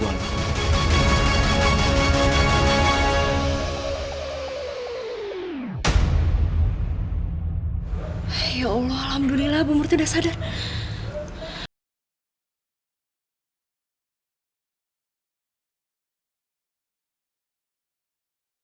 ya allah alhamdulillah bu murti udah sadar